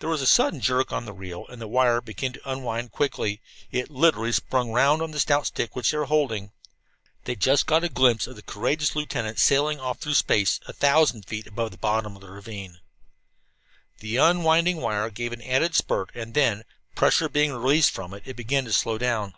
There was a sudden jerk on the reel and the wire began to unwind quickly. It literally spun round on the stout stick which they were holding. They just got a glimpse of the courageous lieutenant sailing off through space, a thousand feet above the bottom of the ravine. The unwinding wire gave an added spurt, and then, pressure being released from it, it began to slow down.